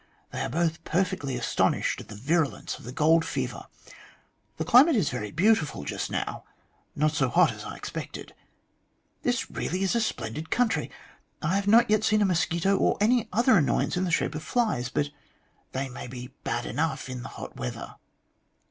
They are both perfectly astonished at the virulence of the gold fever. The climate is very beautiful just now, not so hot as I expected. This is really a splendid country. I have not yet seen a mosquito or any other annoyance in the shape of flies, but they may be bad enough in hot weather."